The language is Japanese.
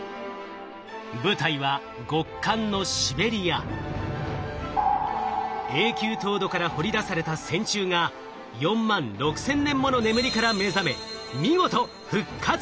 舞台は極寒の永久凍土から掘り出された線虫が４万６千年もの眠りから目覚め見事復活したのです。